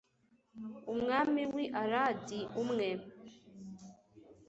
umwami w'i aradi, umwe